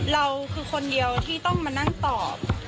เราคือคนเดียวที่ต้องมานั่งตอบ